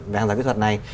về hàng học kỹ thuật này